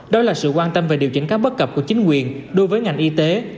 đó là sự quan tâm về điều chỉnh các bất cập của chính quyền đối với ngành y tế